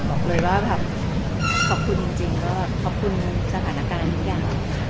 บอกเลยว่าแบบขอบคุณจริงก็ขอบคุณสถานการณ์ทุกอย่าง